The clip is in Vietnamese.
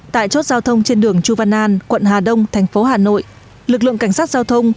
tại chốt giao thông trên đường chu văn an quận hà đông thành phố hà nội lực lượng cảnh sát giao thông